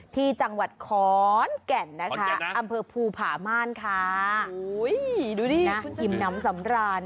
ที่จังหวัดขอนแก่นนะคะอำเภอภูผาม่านค่ะดูดินะอิ่มน้ำสำราญ